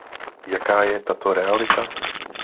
Jaká je tato realita?